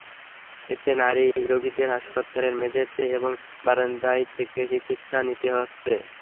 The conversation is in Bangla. এতে নারী রোগীদের হাসপাতালের মেঝেতে এবং বারান্দায় থেকে চিকিৎসা নিতে হচ্ছে।